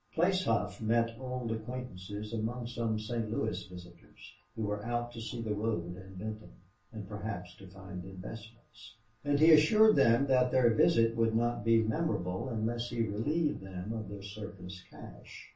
Place Hough met old acquaintances among some St. Louis visitors, who were out to see the road and Benton, and perhaps to find investments; and he assured them blandly that their visit would not be memorable unless he relieved them of their surplus cash.